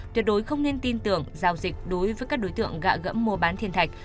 tuyệt đối không nên tin tưởng giao dịch đối với các đối tượng gạ gẫm mua bán thiên thạch